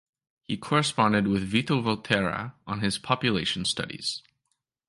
He corresponded with Vito Volterra on his population studies.